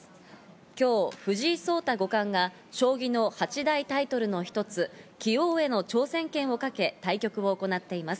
今日、藤井聡太五冠が将棋の八大タイトルの一つ、棋王への挑戦権をかけ対局を行っています。